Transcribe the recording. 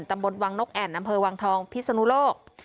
ตำบลวังนกแอ่นอำเภอวังทองพิศนุโลก